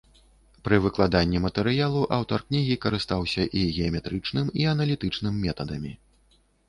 Пры выкладанні матэрыялу аўтар кнігі карыстаўся і геаметрычным, і аналітычным метадамі.